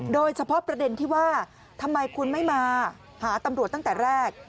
โดยเฉพาะประเด็นที่ว่าทำไมคุณไม่มาหาตำรวจตั้งแต่แรก